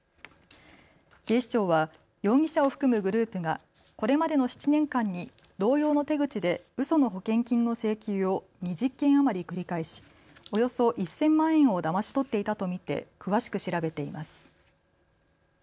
警視庁は容疑者を含むグループがこれまでの７年間に同様の手口でうその保険金の請求を２０件余り繰り返しおよそ１０００万円をだまし取っていたと見て詳しく調べています。